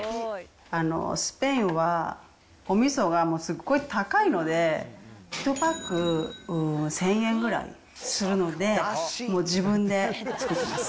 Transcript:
スペインは、おみそがすっごい高いので、１パック１０００円ぐらいするので、もう自分で作ってます。